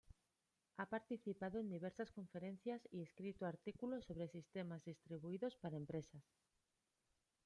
Ha participado en diversas conferencias y escrito artículos sobre sistemas distribuidos para empresas.